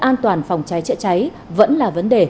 an toàn phòng cháy chữa cháy vẫn là vấn đề